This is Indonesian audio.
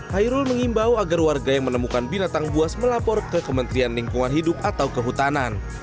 hairul mengimbau agar warga yang menemukan binatang buas melapor ke kementerian lingkungan hidup atau kehutanan